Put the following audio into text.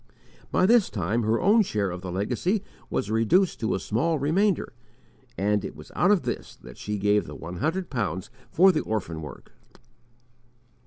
By this time her own share of the legacy was reduced to a small remainder, and it was out of this that she gave the one hundred pounds for the orphan work!